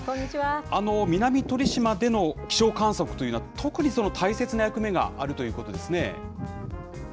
南鳥島での気象観測というのは、特に大切な役目があるということですね？